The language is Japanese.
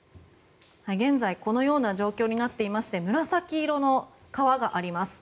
現在このような状況になっていまして紫色の川があります。